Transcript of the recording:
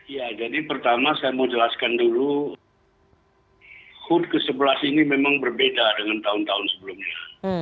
ya jadi pertama saya mau jelaskan dulu hud ke sebelas ini memang berbeda dengan tahun tahun sebelumnya